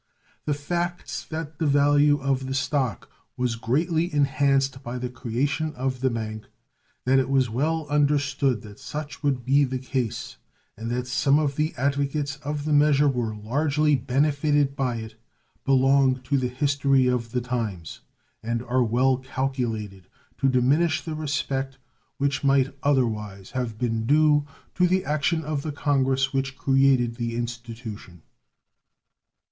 The facts that the value of the stock was greatly enhanced by the creation of the bank, that it was well understood that such would be the case, and that some of the advocates of the measure were largely benefited by it belong to the history of the times, and are well calculated to diminish the respect which might otherwise have been due to the action of the Congress which created the institution.